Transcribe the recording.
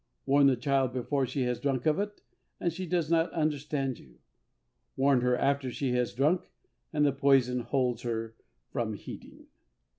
Warn the child before she has drunk of it, and she does not understand you. Warn her after she has drunk, and the poison holds her from heeding.